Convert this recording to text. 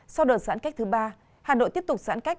sau đợt giãn cách thứ ba hà nội tiếp tục giãn cách